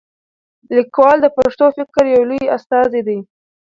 لیکوال د پښتو فکر یو لوی استازی دی.